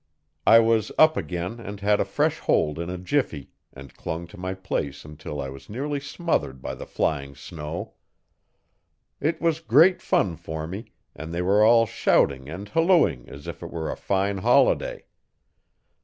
I was up again and had a fresh hold in a jiffy, and clung to my place until I was nearly smothered by the flying snow. It was great fun for me, and they were all shouting and hallooing as if it were a fine holiday.